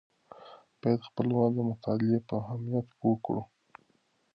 باید خپلوان د مطالعې په اهمیت پوه کړو.